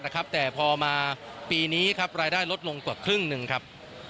สักปีนี้รายได้ลดลงกว่าครึ่งครับ